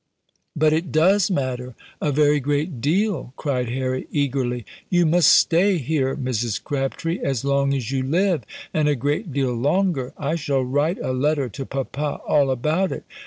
"But it does matter a very great deal," cried Harry, eagerly. "You must stay here, Mrs. Crabtree, as long as you live, and a great deal longer! I shall write a letter to papa all about it.